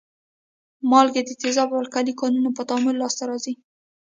مالګې د تیزابو او القلي ګانو په تعامل په لاس راځي.